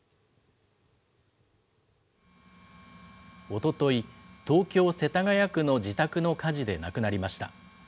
おととい、東京・世田谷区の自宅の火事で亡くなりました。